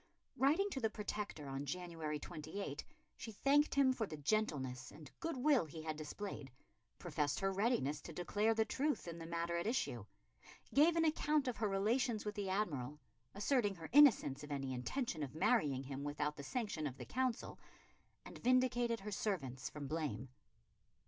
Writing to the Protector on January 28, she thanked him for the gentleness and good will he had displayed; professed her readiness to declare the truth in the matter at issue; gave an account of her relations with the Admiral, asserting her innocence of any intention of marrying him without the sanction of the Council; and vindicated her servants from blame.